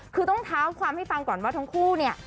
คือต้องเท้าความให้ฟังก่อนว่าทั้งคู่เนี่ย